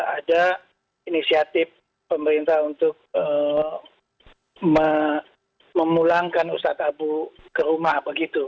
ada inisiatif pemerintah untuk memulangkan ustadz abu ke rumah begitu